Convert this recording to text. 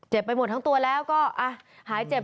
ไปหมดทั้งตัวแล้วก็หายเจ็บ